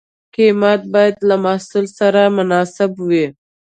قیمت باید له محصول سره مناسب وي.